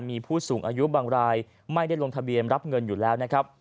มีผู้สูงอายุบางรายไม่ได้ร่วมการรับเงินอยู่แล้ว